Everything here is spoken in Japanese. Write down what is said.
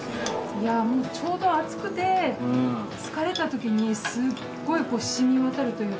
いやちょうど暑くて疲れたときにすごい染みわたるというか。